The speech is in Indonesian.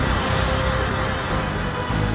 suara kebeletul region